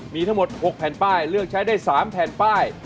มีทั้งหมด๖แผ่นป้ายเลือกใช้ได้๓แผ่นป้าย